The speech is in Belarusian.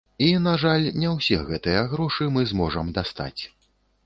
І, на жаль, не ўсе гэтыя грошы мы зможам дастаць.